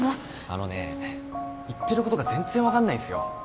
あのね言ってることが全然分かんないっすよ。